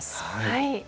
はい。